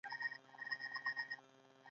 نیره وهنه بله دودیزه لوبه ده.